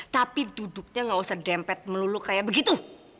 tapi duduknya gak usah dempet melulu kayak begitu